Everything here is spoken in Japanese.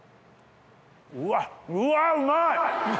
うわっうわうまい！